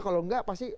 kalau enggak pasti